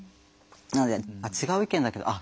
なので違う意見だけどあっ